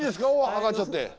上がっちゃって。